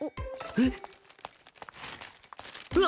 えっ？